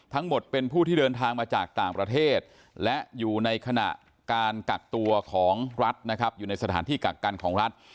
ทั้งหมดเป็นผู้ที่เดินทางมาจากต่างประเทศและอยู่ในขณะการกักตัวของรัฐนะครับอยู่ในสถานที่กักกันของรัฐ